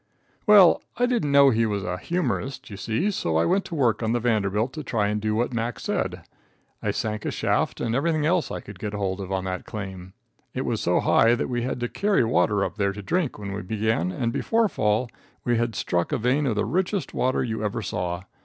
Well, I didn't know he was "an humorist," you see, so I went to work on the Vanderbilt to try and do what Mac. said. I sank a shaft and everything else I could get hold of on that claim. It was so high that we had to carry water up there to drink when we began and before fall we had struck a vein of the richest water you ever saw.